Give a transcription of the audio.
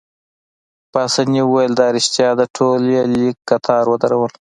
پاسیني وویل: دا ريښتیا ده، ټول يې لیک قطار ودرول.